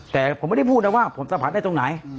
แต่ผมไม่ได้พูดนะว่าผมสัมผัสได้ตรงไหน